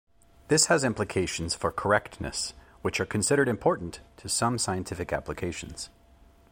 This has implications for correctness which are considered important to some scientific applications.